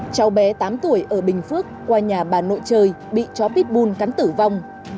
cháu bé tám tuổi ở bình phước qua nhà bà nội chơi bị chó pitbull cắn tử vong